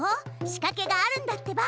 仕かけがあるんだってば！